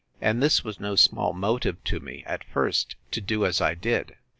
And this was no small motive to me, at first, to do as I did.